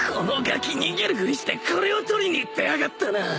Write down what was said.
このガキ逃げるふりしてこれを取りに行ってやがったな